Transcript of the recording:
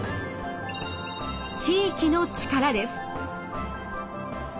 地域の力です。